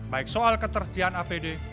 baik soal ketersediaan apd